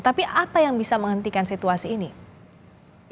tapi apa yang bisa menghentikan situasi ini